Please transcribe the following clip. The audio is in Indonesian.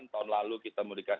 tahun lalu kita memberikan